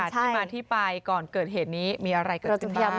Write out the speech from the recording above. ที่มาที่ไปก่อนเกิดเหตุนี้มีอะไรเกิดขึ้นบ้าง